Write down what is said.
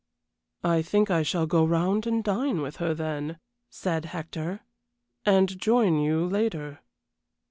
"I think I shall go round and dine with her then," said Hector, "and join you later."